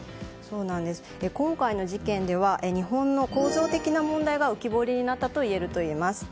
今回の事件では日本の構造的な問題が浮き彫りになったといえるといえます。